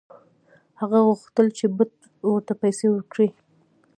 هغه غوښتل چې بت ورته پیسې ورکړي.